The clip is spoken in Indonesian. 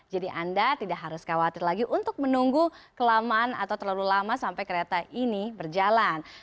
jadi anda tidak harus khawatir lagi untuk menunggu kelamaan atau terlalu lama sampai kereta ini berjalan